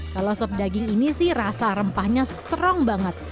kalau sop daging ini sih rasa rempahnya strong banget